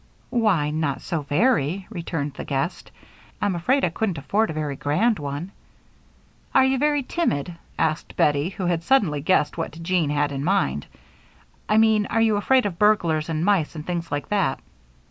"Why, not so very," returned the guest. "I'm afraid I couldn't afford a very grand one." "Are you very timid?" asked Bettie, who had suddenly guessed what Jean had in mind. "I mean are you afraid of burglars and mice and things like that?"